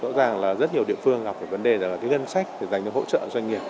rõ ràng là rất nhiều địa phương gặp vấn đề là ngân sách dành cho hỗ trợ doanh nghiệp